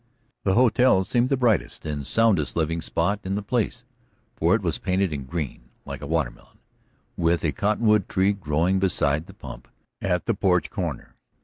The hotel seemed the brightest and soundest living spot in the place, for it was painted in green, like a watermelon, with a cottonwood tree growing beside the pump at the porch corner.